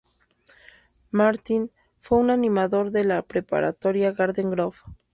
Martin fue un animador de la preparatoria Garden Grove.